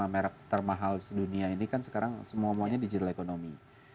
merek termahal di dunia ini kan sekarang semuanya digital economy